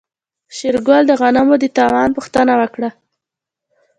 شېرګل د غنمو د تاوان پوښتنه وکړه.